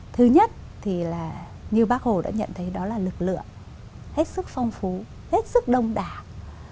thứ nhất thì là như bác hồ đã nhận thấy đó là lực lượng hết sức phong phú hết sức đông đảng